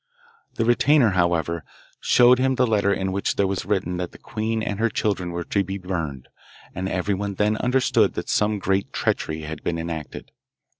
The retainer, however, showed him the letter in which there was written that the queen and her children were to be burned, and everyone then understood that some great treachery had been enacted.